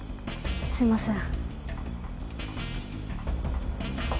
すいません。